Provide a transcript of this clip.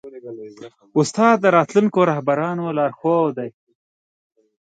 استاد د راتلونکو رهبرانو لارښود وي.